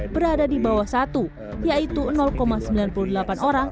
berada di bawah satu yaitu sembilan puluh delapan orang